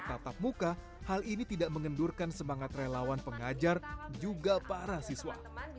tatap muka hal ini tidak mengendurkan semangat relawan pengajar juga para siswa